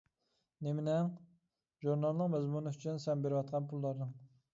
-نېمىنىڭ؟ -ژۇرنالنىڭ مەزمۇنى ئۈچۈن سەن بېرىۋاتقان پۇللارنىڭ.